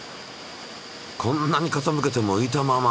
こんなにかたむけても浮いたまま。